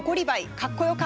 かっこよか。